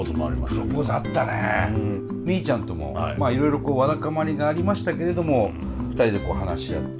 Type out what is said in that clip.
ーちゃんともまあいろいろこうわだかまりがありましたけれども２人でこう話し合って。